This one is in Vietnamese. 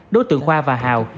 đối tượng khoa và hào